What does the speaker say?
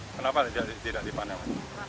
kenapa tidak dipanen